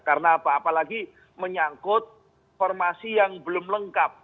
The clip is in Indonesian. karena apa apalagi menyangkut informasi yang belum lengkap